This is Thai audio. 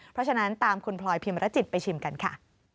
เพราะฉะนั้นตามคุณพลอยพิมรจิตไปชิมกันค่ะ